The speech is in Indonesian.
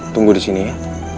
tunggu disini ya